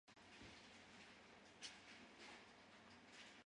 こんなところにガムが落ちてる